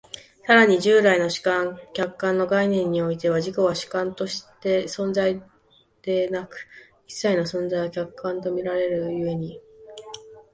更に従来の主観・客観の概念においては、自己は主観として存在でなく、一切の存在は客観と見られる故に、